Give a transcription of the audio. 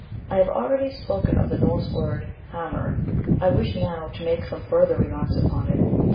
I have already spoken of the Norse word hamr, I wish now to make some farther remarks upon it.